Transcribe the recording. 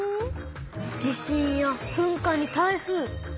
地震や噴火に台風。